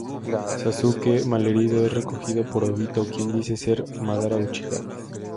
Sasuke, malherido, es recogido por Obito, quien dice ser Madara Uchiha.